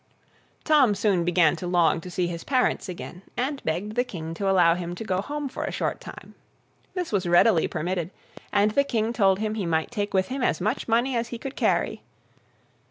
Tom soon began to long to see his parents again, and begged the King to allow him to go home for a short time. This was readily permitted, and the King told him he might take with him as much money as he could carry.